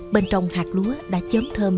bên trong hạt lúa đã chấm thơm